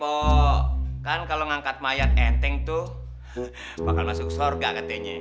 oh kan kalau ngangkat mayat enteng tuh bakal masuk sorga katanya